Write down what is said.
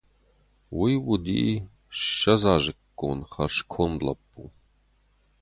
Уый уыди ссӕдзазыккон хӕрзконд лӕппу.